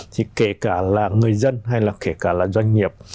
thì kể cả là người dân hay là kể cả là doanh nghiệp